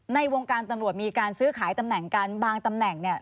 ในวงการตำรวจมีการซื้อขายตำแหน่งกันบางตำแหน่งเนี่ย